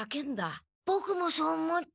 ボクもそう思った。